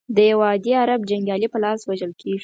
د یوه عادي عرب جنګیالي په لاس وژل کیږي.